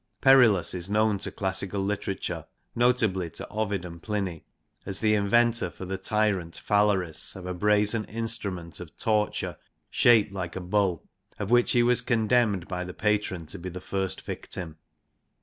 Perillus is known to classical literature, notably to Ovid and Pliny, as c xxxiv INTRODUCTION the inventor for the tyrant Phalaris of a brazen instrument of torture shaped like a bull, of which he was condemned by the patron to be the first victim.